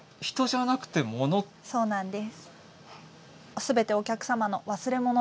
そうなんです。